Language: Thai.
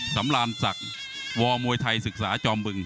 สำราญศักดิ์วมวยไทยศึกษาจอมบึง